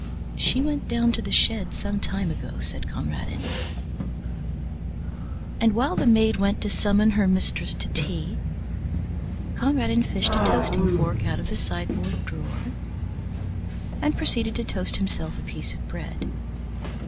"She went down to the shed some time ago," said Conradin. And while the maid went to summon her mistress to tea, Conradin fished a toasting fork out of the sideboard drawer and proceeded to toast himself a piece of bread.